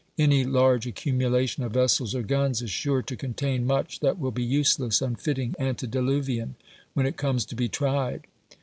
Any large accumulation of vessels or guns is sure to contain much that will be useless, unfitting, antediluvian, when it comes to be tried.